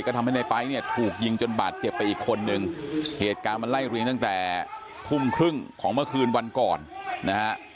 ก็ทำให้ในไป๊เนี่ยถูกยิงจนบาดเจ็บไปอีกคนนึงเหตุการณ์มันไล่เรียงตั้งแต่ทุ่มครึ่งของเมื่อคืนวันก่อนนะฮะ